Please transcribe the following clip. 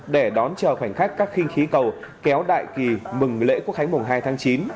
để đón chờ khoảnh khắc các khinh khí cầu kéo đại kỳ mừng lễ quốc khánh mùng hai tháng chín